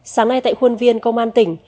sáng nay tại khuôn viên công an tỉnh